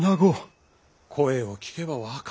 声を聞けば分かろう。